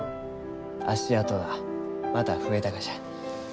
足跡がまた増えたがじゃ。